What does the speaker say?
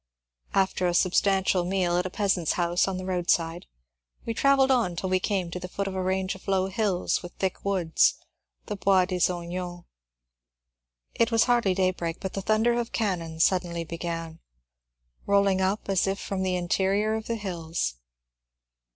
After a substantial meal at a peasant's house on the roadside, we travelled on until we came to the foot of a range ORAYELOTTE 235 of low hills covered with thick woods, the Bois des Ognons. It was hardly daybreak, but the thunder of cannon suddenly began, rolling up as if from the interior of the hills.